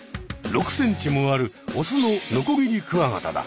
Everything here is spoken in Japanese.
６ｃｍもあるオスのノコギリクワガタだ。